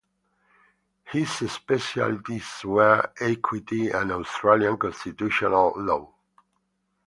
His specialities were equity and Australian constitutional law.